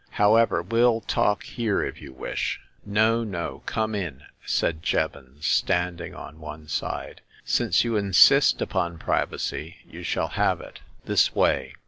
" However, well talk here if you wish." " No, no ; come in," said Jevons, standing on one side. " Since you insist upon privacy, you shall have it. This way."